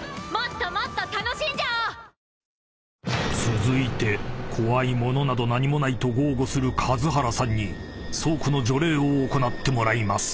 ［続いて怖いものなど何もないと豪語する数原さんに倉庫の除霊を行ってもらいます］